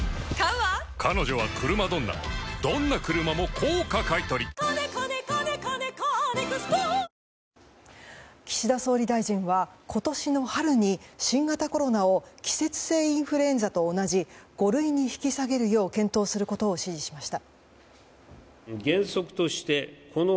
東芝岸田総理大臣は今年の春に新型コロナを季節性インフルエンザと同じ五類に引き下げるよう検討することを支持しました。